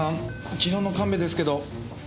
昨日の神戸ですけど。